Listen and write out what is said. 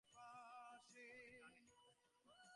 কিন্তু কখনোই কোনো গান রীতিমত সম্পূর্ণ করিতেন না।